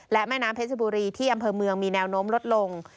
และแม่น้ำเพชรบุรีที่อำเภอเมืองมีแนวโน้มลดลง